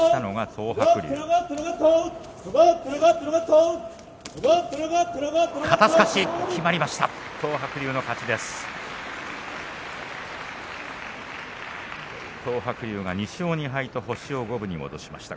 東白龍が２勝２敗と星を五分に戻しました。